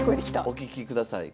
お聴きください。